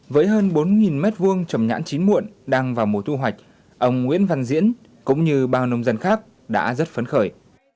với hơn bốn mét vuông trầm nhãn chín muộn đang vào mùa thu hoạch ông nguyễn văn diễn cũng như bao nông dân khác đã rất phấn khởi